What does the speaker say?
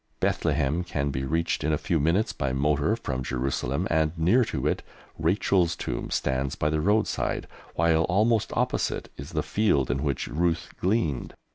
Bethlehem can be reached in a few minutes by motor from Jerusalem, and near to it Rachel's tomb stands by the roadside, while almost opposite is the field in which Ruth gleaned.